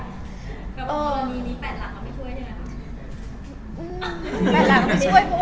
แต่ละเหล่ากับไม่ช่วยใช่มั้ย